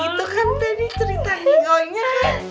gitu kan tadi cerita ngigonya kan